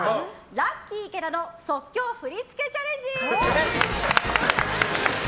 ラッキィ池田の即興振り付けチャレンジ！